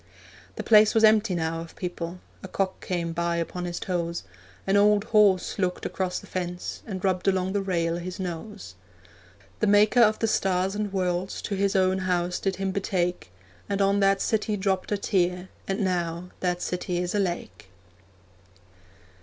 The place was empty now of people; A cock came by upon his toes; An old horse looked across the fence, And rubbed along the rail his nose. The maker of the stars and worlds To His own house did Him betake, And on that city dropped a tear, And now that city is a lake.